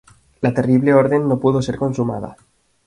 La terrible orden no pudo ser consumada.